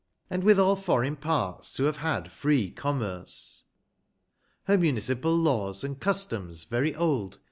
And with all foreign parts to have had free commerce ; Her municipial laws, and customs very old.